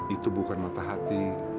itu bukan mata hati